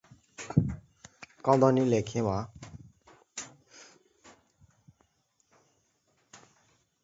Part of the present Micheldever Wood was later held by Hyde Abbey.